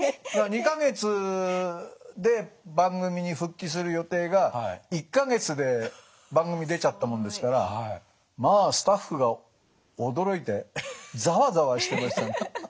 ２か月で番組に復帰する予定が１か月で番組に出ちゃったもんですからまあスタッフが驚いてざわざわしてました。